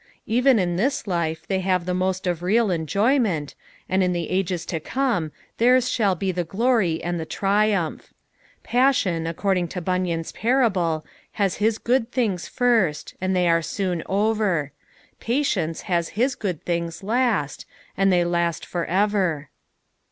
''' Even in this life they have the must of real enjoyment, and in the ages to como theirs shall be tho glory and tho triumph. Passion, according to Bimyau's parable, haa his good things first, and they are soon over ; Patience has bis good things last, and they last for ever.